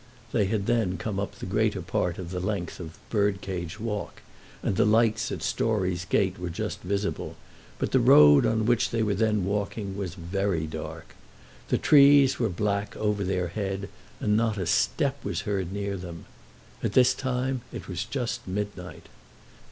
They had then come up the greater part of the length of the Birdcage Walk, and the lights at Storey's Gate were just visible, but the road on which they were then walking was very dark. The trees were black over their head, and not a step was heard near them. At this time it was just midnight.